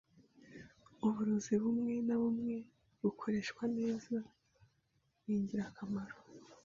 Uburozi bumwe na bumwe, bukoreshwa neza, ni ingirakamaro.